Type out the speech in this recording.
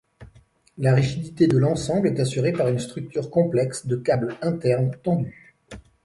La rigidité de l'ensemble est assurée par une structure complexe de câbles internes tendus.